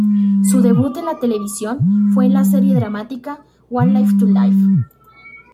Su debut en televisión fue en la serie dramática "One Life to Live.